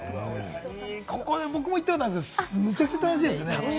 僕も行ったことあるんですけれども、むちゃくちゃ楽しいですよね。